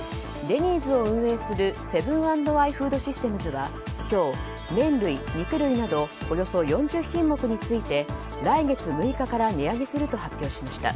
デニーズを運営するセブン＆アイ・フードシステムズは今日、麺類、肉類などおよそ４０品目について来月６日から値上げすると発表しました。